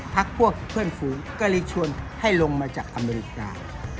พักพวกเพื่อนฝูงก็เลยชวนให้ลงมาจากอเมริกา